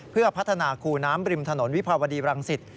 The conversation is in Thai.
เพื่อพัฒนาคูน้ำริมถนนวิภาวดีบรังสิต